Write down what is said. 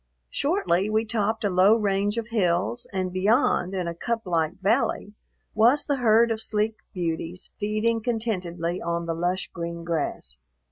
Shortly, we topped a low range of hills, and beyond, in a cuplike valley, was the herd of sleek beauties feeding contentedly on the lush green grass.